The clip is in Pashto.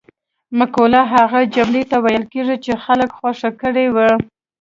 مقوله هغه جملې ته ویل کیږي چې خلکو خوښه کړې وي